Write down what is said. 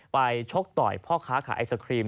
ชกต่อยพ่อค้าขายไอศครีม